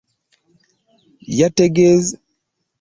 Yategezezza nti ekiseera kino abavubuka bano bakumirwa butabika .